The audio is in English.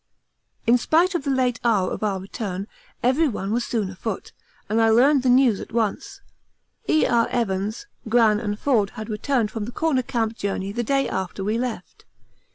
In spite of the late hour of our return everyone was soon afoot, and I learned the news at once. E.R. Evans, Gran, and Forde had returned from the Corner Camp journey the day after we left.